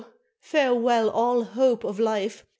farewell all hope of life!